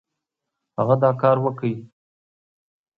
هغه دا کار وکړ.